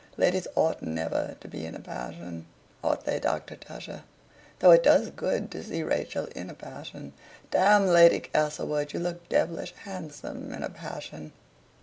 Ladies ought never to be in a passion. Ought they, Doctor Tusher? though it does good to see Rachel in a passion Damme, Lady Castlewood, you look dev'lish handsome in a passion."